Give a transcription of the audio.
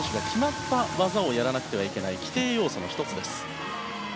選手がやらなくてはいけない規定要素の１つです。